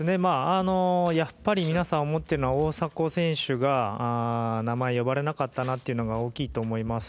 やっぱり皆さん思っているのは大迫選手が名前、呼ばれなかったなというのが大きいと思います。